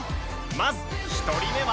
まず１人目は